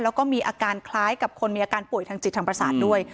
แล้วก็มีอาการคล้ายกับคนมีอาการป่วยทางจิตทางประสาทด้วย